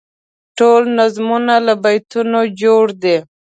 ټول نظمونه له بیتونو جوړ دي.